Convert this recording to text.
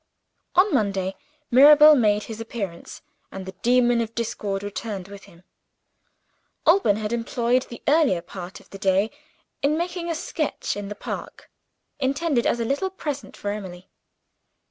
On Monday, Mirabel made his appearance and the demon of discord returned with him. Alban had employed the earlier part of the day in making a sketch in the park intended as a little present for Emily.